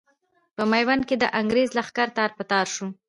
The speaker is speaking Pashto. په ميوند کې د انګرېز لښکر تار په تار شو.